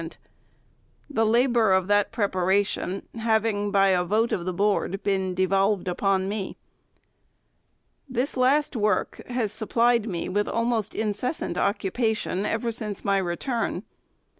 :— the labor of that preparation having, by a vot3 of the Board, been devolved upon me. This last work has supplied me with almost incessant occupation ever since my return.